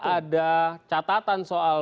ada catatan soal